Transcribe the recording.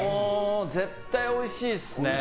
絶対おいしいですね。